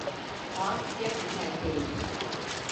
Ağaç yaş iken eğilir.